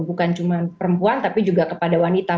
bukan cuma perempuan tapi juga kepada wanita